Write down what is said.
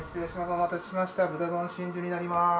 お待たせしました豚丼真珠になります。